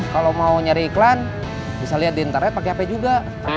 kalau mau nyari iklan bisa lihat di internet pakai apa juga